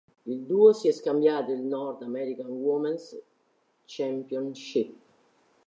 Il duo si è scambiato il North American Women's Championship.